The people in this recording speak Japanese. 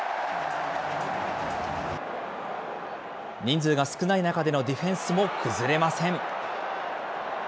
人数が少ない中でのディフェンスも崩れません。